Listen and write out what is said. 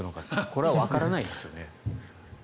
これはわからないですよね。